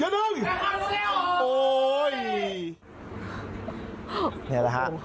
นี่แหละฮะ